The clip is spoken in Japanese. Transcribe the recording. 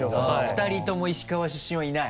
２人共石川出身はいない？